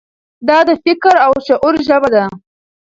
دا د فکر او شعور ژبه ده.